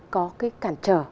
có cái cản trở